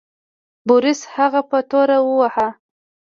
بوریس هغه په توره وواهه.